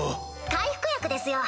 回復薬ですよ！